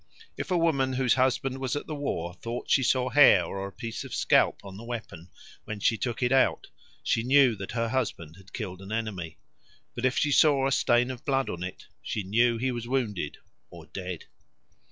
If a woman whose husband was at the war thought she saw hair or a piece of a scalp on the weapon when she took it out, she knew that her husband had killed an enemy. But if she saw a stain of blood on it, she knew he was wounded or dead.